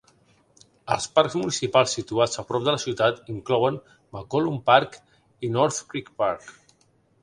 Els parcs municipals situats a prop de la ciutat inclouen McCollum Park i North Creek Park.